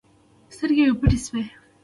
سترګې مې پټې سوې.